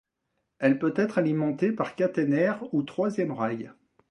Elle peut être alimentée par caténaire ou troisième rail.